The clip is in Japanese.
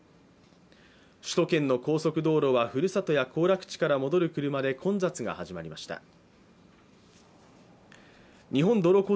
首都圏の高速道路はふるさとや行楽地から戻る車で混雑が始まりました。